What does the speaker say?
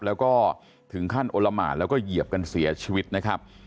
แล้วก็ถึงขั้นโอละหมานแล้วก็เหยียบกันเสียชีวิตนะครับ